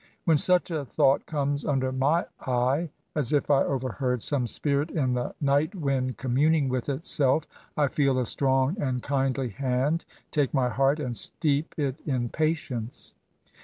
" When such a thought comes under iwy eye, as if I overheard some spirit in the night wind communing with itself, I feel a strong and kindly hand take my heart and steep it in patience.